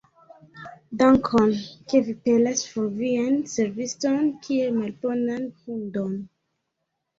Dankon, ke vi pelas for vian serviston kiel malbonan hundon!